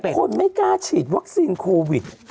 คนไม่กล้าฉีดวัคซีนโควิด